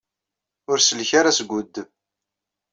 Ur tsellek ara seg uweddeb.